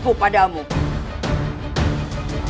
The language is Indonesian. kau tidak mohon jin